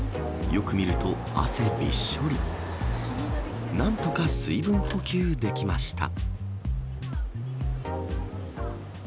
よく見ると、汗びっしょり。何とか水分補給できました。